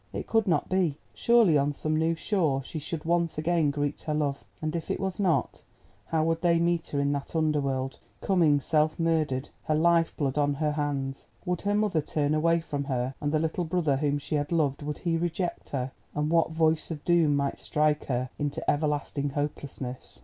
It could not be; surely on some new shore she should once again greet her love. And if it was not, how would they meet her in that under world, coming self murdered, her life blood on her hands? Would her mother turn away from her? and the little brother, whom she had loved, would he reject her? And what Voice of Doom might strike her into everlasting hopelessness?